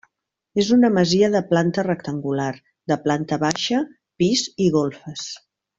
És una masia de planta rectangular, de planta baixa, pis i golfes.